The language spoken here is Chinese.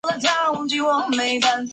他传授的八极拳都参以一套劈挂掌。